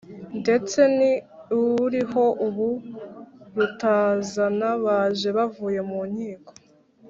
ndetse ni uriho ubu Rutazana baje bavuye mu nkiko